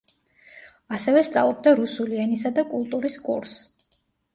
ასევე სწავლობდა რუსული ენისა და კულტურის კურსს.